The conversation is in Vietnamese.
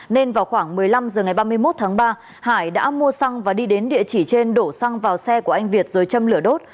nên vào khoảng một mươi năm h ngày ba mươi một tháng ba hải đã mua xăng và đi đến địa chỉ trên đổ xăng vào xe của anh việt rồi châm lửa đốt